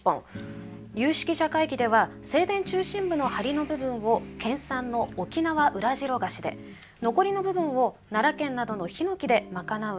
有識者会議では正殿中心部のはりの部分を県産のオキナワウラジロガシで残りの部分を奈良県などのヒノキで賄う予定です。